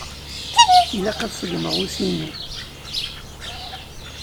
Ilaq ad seggmeɣ usi-nu.